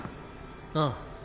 ああ。